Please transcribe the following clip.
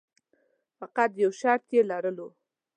فقط یو شرط یې لرلو.